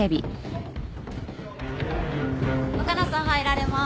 若菜さん入られます。